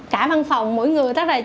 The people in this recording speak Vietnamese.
cả văn phòng mỗi người